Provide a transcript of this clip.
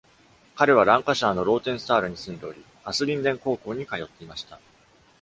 彼はランカシャーのローテンスタールに住んでおり、ハスリンデン高校に通っていました。